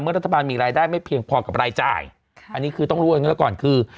รัฐบาลมีรายได้ไม่เพียงพอกับรายจ่ายอันนี้คือต้องรู้อย่างงี้แล้วก่อนคือ